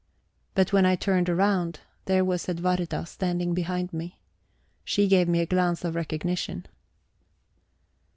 But when I turned round, there was Edwarda standing behind me. She gave me a glance of recognition.